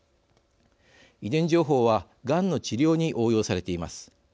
遺伝情報は、がんの治療に応用されています。